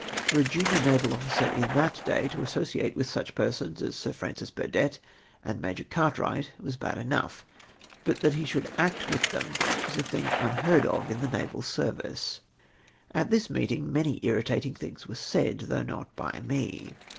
For a jimior naval officer in that day to associate with such persons as Sir Francis Burdett and Major Cartwright was bad enough, but that he should act with them was a thing imheard of in the naval service. At this meeting many irritating things were said, th«3ugh not by me.